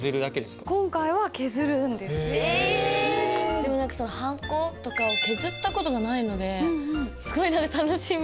でも何かはんことかを削った事がないのですごい何か楽しみ。